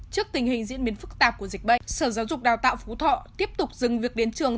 trước tình hình diễn biến phức tạp của dịch bệnh sở giáo dục đào tạo phú thọ tiếp tục dừng việc đến trường